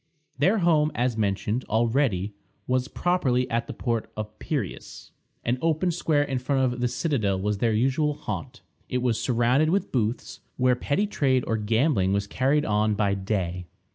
Their home, as mentioned already, was properly at the port of Piræus. An open square in front of the citadel was their usual haunt. It was surrounded with booths, where petty trade or gambling was carried on by day.